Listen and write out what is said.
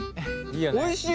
おいしい。